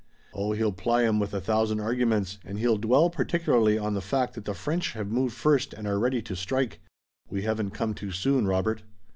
Oh, he'll ply 'em with a thousand arguments, and he'll dwell particularly on the fact that the French have moved first and are ready to strike. We haven't come too soon, Robert."